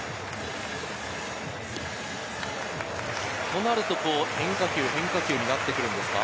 となると変化球、変化球になってくるんですか？